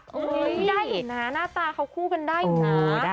ได้อยู่นะหน้าตาเข้าคู่กันได้อยู่นะ